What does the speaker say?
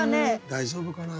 「大丈夫かな？